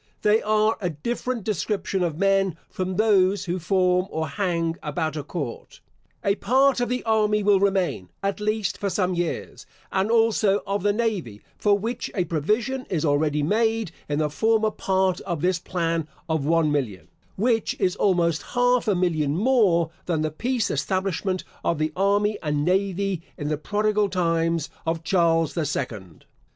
They are a different description of men from those who form or hang about a court. A part of the army will remain, at least for some years, and also of the navy, for which a provision is already made in the former part of this plan of one million, which is almost half a million more than the peace establishment of the army and navy in the prodigal times of Charles the Second.